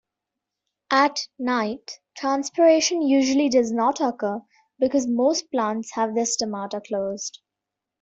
At night, transpiration usually does not occur because most plants have their stomata closed.